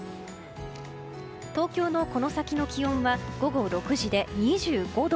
東京のこの先の気温は午後６時で２５度。